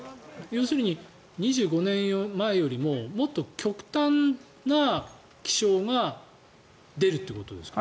要するに２５年前よりももっと極端な気象が出るということですか。